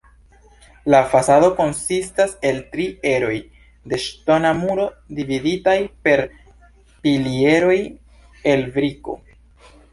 La fasado konsistas el tri eroj de ŝtona muro dividitaj per pilieroj el briko.